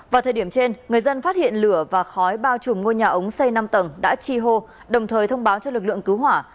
vào thời điểm trên người dân phát hiện lửa và khói bao trùm ngôi nhà ống xây năm tầng đã chi hô đồng thời thông báo cho lực lượng cứu hỏa